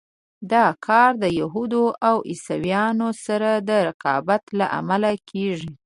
دا کار د یهودو او عیسویانو سره د رقابت له امله کېږي.